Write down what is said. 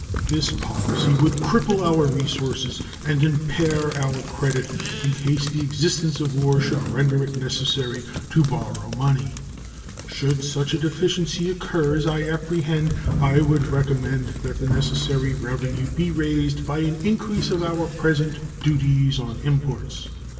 This policy would cripple our resources and impair our credit in case the existence of war should render it necessary to borrow money. Should such a deficiency occur as I apprehend, I would recommend that the necessary revenue be raised by an increase of our present duties on imports.